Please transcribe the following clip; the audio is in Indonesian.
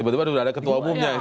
tiba tiba sudah ada ketua umumnya